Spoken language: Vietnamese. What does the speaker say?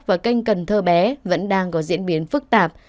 và kênh cần thơ bé vẫn đang có diễn biến phức tạp